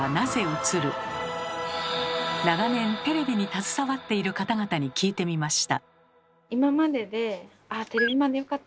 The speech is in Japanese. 長年テレビに携わっている方々に聞いてみました。